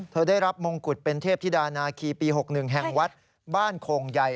ได้รับมงกุฎเป็นเทพธิดานาคีปี๖๑แห่งวัดบ้านโคงใหญ่